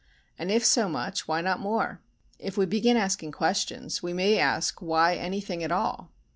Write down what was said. And if so much, why not more? If we begin asking questions, we may ask why anything at all?